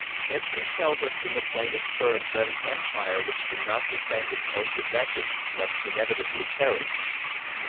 History tells us in the plainest terms that an Empire which cannot defend its own possessions must inevitably perish."